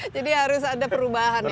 jadi harus ada perubahan ya